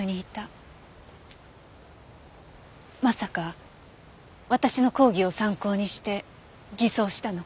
まさか私の講義を参考にして偽装したの？